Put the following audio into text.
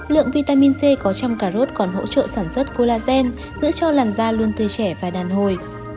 lượng vitamin c có trong cà rốt còn hỗ trợ sản xuất colagen giữ cho làn da luôn tươi trẻ và đàn hồi